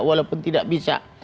walaupun tidak bisa